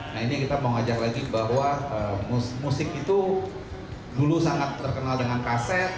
nah ini kita mau ngajak lagi bahwa musik itu dulu sangat terkenal dengan kaset